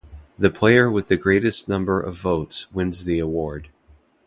The player with the greatest number of votes wins the award.